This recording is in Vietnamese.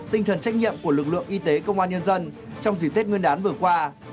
tinh thần trách nhiệm của lực lượng y tế công an nhân dân trong dịp tết nguyên đán vừa qua